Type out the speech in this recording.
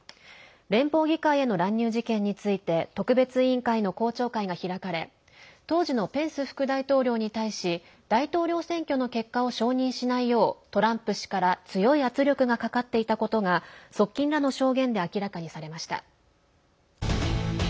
連邦議会への乱入事件について特別委員会の公聴会が開かれ当時のペンス副大統領に対し大統領選挙の結果を承認しないようトランプ氏から強い圧力がかかっていたことが側近らの証言で明らかにされました。